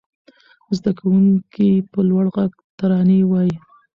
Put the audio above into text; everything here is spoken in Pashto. زده کوونکي په لوړ غږ ترانې وايي.